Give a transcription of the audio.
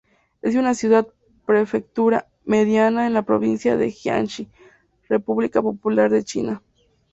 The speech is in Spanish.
Es una ciudad-prefectura mediana en la provincia de Jiangxi, República Popular de China.